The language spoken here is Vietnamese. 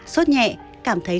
sốt nhẹ cảm thấy khó khăn